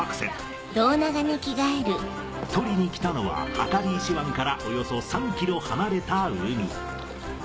採りにきたのは計石湾からおよそ３ｋｍ離れた海。